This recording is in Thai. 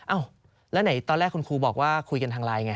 อ้าวแล้วไหนตอนแรกคุณครูบอกว่าคุยกันทางไลน์ไง